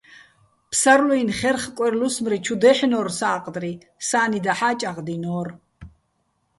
ფსარლუ́ჲნი̆ ხერხ-კვერ-ლუსმრი ჩუ დაჲჰ̦ნო́რ სა́ყდრი, სა́ნი დაჰ̦ა́ ჭაღდინო́რ.